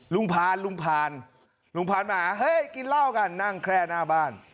พานลุงพานลุงพานมาเฮ้ยกินเหล้ากันนั่งแคร่หน้าบ้าน